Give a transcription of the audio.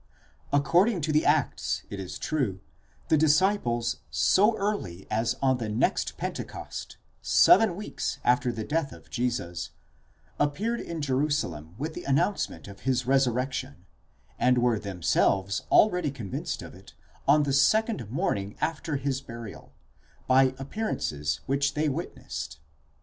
According to the Acts, it is true, the disciples so early as on the next Pentecost, seven weeks after the death of Jesus, appeared in Jerusalem with the announcement of his resurrection, and were themselves already convinced of it on the second morning after his burial, by appearances whch they wit nessed.